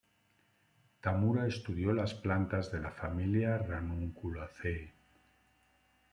Tamura estudió las plantas de la familia Ranunculaceae.